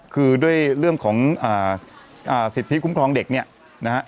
คือด้วยเรื่องของสิทธิคุ้มครองเด็กเนี่ยนะฮะ